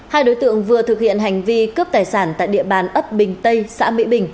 hai đối tượng vừa thực hiện hành vi cướp tài sản tại địa bàn ấp bình tây xã mỹ bình